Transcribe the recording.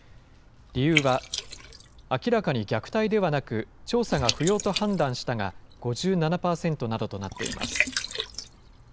理由は、明らかに虐待ではなく調査が不要と判断したが５７％などとなっています。